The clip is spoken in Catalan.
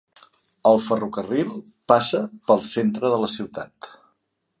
El ferrocarril passa pel centre de la ciutat.